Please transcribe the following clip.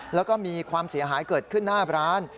แล้วก็มีความเสียหายเกิดขึ้นหน้าร้าน